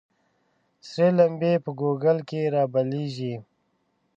ســـــــرې لمـبـــــې په ګوګـل کــې رابلـيـــږي